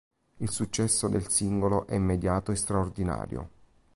Il successo del singolo è immediato e straordinario.